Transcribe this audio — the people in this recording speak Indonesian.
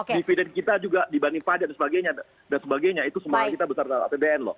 dividend kita juga dibanding pajak dan sebagainya dan sebagainya itu semua kita besar dari pbn loh